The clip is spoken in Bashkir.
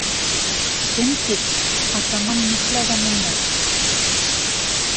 — Кем тип, атаман нишләгән унда?